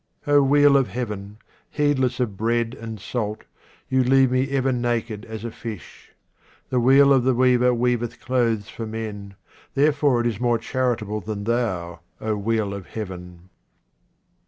O wheel of Heaven, heedless of bread and salt, you leave me ever naked as a fish. The wheel of the weaver weaveth clothes for men, therefore it is more charitable than thou, O wheel of Heaven.